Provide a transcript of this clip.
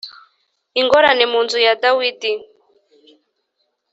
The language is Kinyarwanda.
ingorane mu nzu ya dawidi